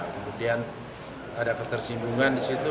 kemudian ada ketersimbungan disitu